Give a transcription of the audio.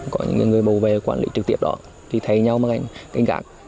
có những người bầu vệ quản lý trực tiếp đó thì thấy nhau mà cảnh gác